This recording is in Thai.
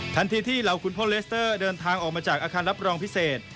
ทันทีที่เหล่าคุณพ่อเลสเตอร์เดินทางออกมาจากอาคารรับรองพิเศษ